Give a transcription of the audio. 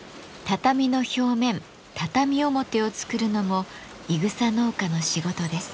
畳表を作るのもいぐさ農家の仕事です。